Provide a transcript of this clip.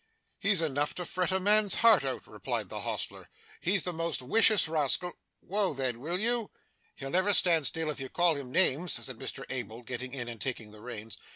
'He's enough to fret a man's heart out,' replied the hostler. 'He is the most wicious rascal Woa then, will you?' 'He'll never stand still, if you call him names,' said Mr Abel, getting in, and taking the reins.